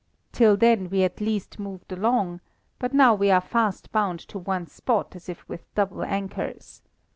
Till then we at least moved along, but now we are fast bound to one spot as if with double anchors.